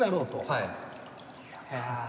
はい。